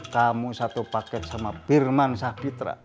kamu satu paket sama firman sabitra